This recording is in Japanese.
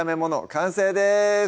完成です